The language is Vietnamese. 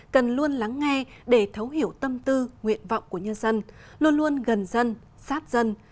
cần luôn lắng nghe để thấu hiểu tâm tư nguyện vọng của nhân dân luôn luôn gần dân sát dân